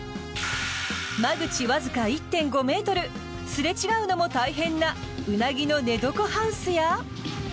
間口わずか１．５ｍすれ違うのも大変なウナギの寝床ハウスや。